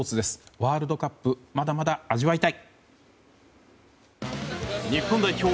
ワールドカップまだまだ味わいたい！